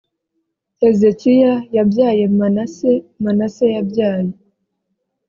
hezekiya yabyaye manase manase yabyaye